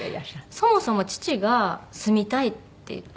そもそも父が「住みたい」って言って。